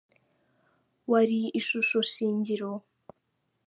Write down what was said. Wari ishusho shingiro